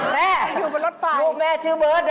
แม่ลูกแม่ชื่อเบิร์ดเหรอ